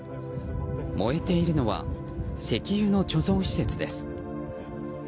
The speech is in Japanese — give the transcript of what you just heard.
燃えているのは石油の貯蔵施設です。